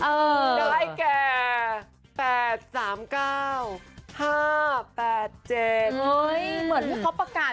ได้แก่แปดสามเก้าห้าแปดเจ็ดเฮ้ยเหมือนที่เขาประกาศ